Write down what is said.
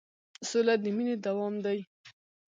سوله د مینې دوام دی.